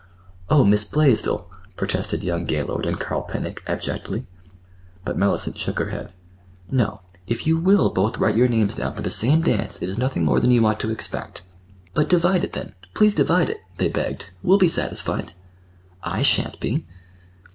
"Oh, Miss Blaisdell!" protested young Gaylord and Carl Pennock abjectly. But Mellicent shook her head. "No. If you will both write your names down for the same dance, it is nothing more than you ought to expect." "But divide it, then. Please divide it," they begged. "We'll be satisfied." "I shan't be!"